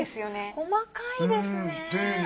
細かいですね。